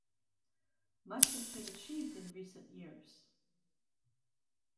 Much has been achieved in recent years.